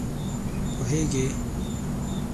پوهېږې!